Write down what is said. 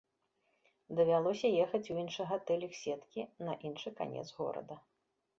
Давялося ехаць у іншы гатэль іх сеткі на іншы канец горада.